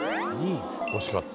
惜しかった。